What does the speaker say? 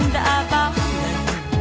đã bao lần